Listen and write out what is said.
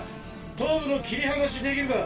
頭部の切り離しできるか？